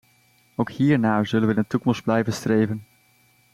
Ook hiernaar zullen we in de toekomst blijven streven.